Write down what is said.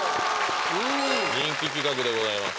うん人気企画でございます